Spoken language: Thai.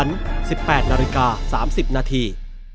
๑๘นาฬิกา๓๐นาที